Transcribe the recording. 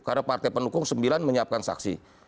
karena partai pendukung sembilan menyiapkan saksi